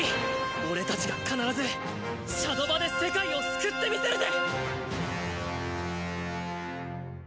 俺たちが必ずシャドバで世界を救ってみせるぜ！